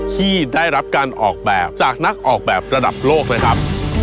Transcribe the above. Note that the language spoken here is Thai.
ที่ได้รับการออกแบบจากนักออกแบบระดับโลกเลยครับ